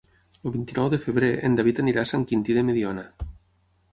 El vint-i-nou de febrer en David anirà a Sant Quintí de Mediona.